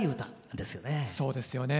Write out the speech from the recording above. そうですよね。